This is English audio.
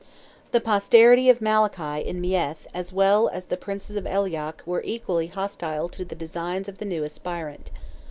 The posterity of Malachy in Meath, as well as the Princes of Aileach, were equally hostile to the designs of the new aspirant.